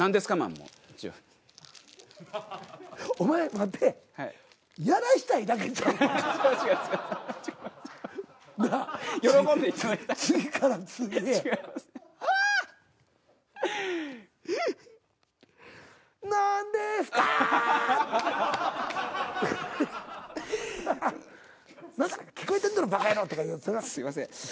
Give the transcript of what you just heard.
すいません。